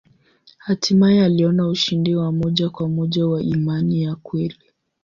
Hatimaye aliona ushindi wa moja kwa moja wa imani ya kweli.